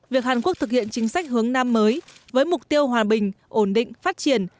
việc hàn quốc thực hiện chính sách hướng nam mới với mục tiêu hòa bình ổn định phát triển